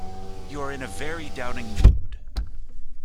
You are in a very doubting mood.